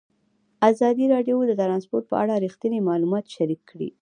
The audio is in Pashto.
ازادي راډیو د ترانسپورټ په اړه رښتیني معلومات شریک کړي.